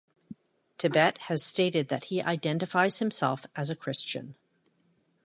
Tibet has stated that he identifies himself as a Christian.